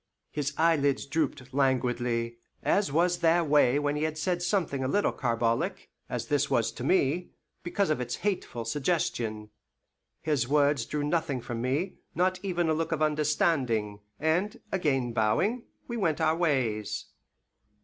His eyelids drooped languidly, as was their way when he had said something a little carbolic, as this was to me, because of its hateful suggestion. His words drew nothing from me, not even a look of understanding, and, again bowing, we went our ways.